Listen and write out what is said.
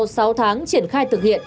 sau sáu tháng triển khai thực hiện